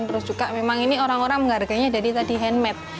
terus juga memang ini orang orang menghargainya dari tadi handmade